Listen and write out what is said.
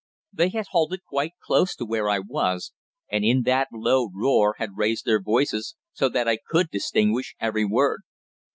They had halted quite close to where I was, and in that low roar had raised their voices so that I could distinguish every word.